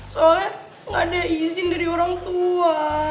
soalnya nggak ada izin dari orang tua